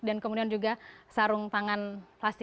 dan kemudian juga sarung tangan plastik